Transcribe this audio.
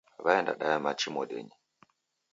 Waenda daya machi modenyi